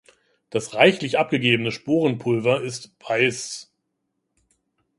Das reichlich abgegebene Sporenpulver ist weiß.